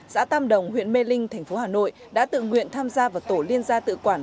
xã tam đồng huyện mê linh thành phố hà nội đã tự nguyện tham gia vào tổ liên gia tự quản